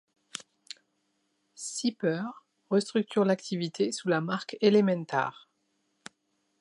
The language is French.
Sieper restructure l’activité sous la marque Elementar.